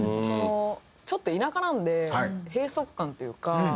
ちょっと田舎なので閉塞感というか。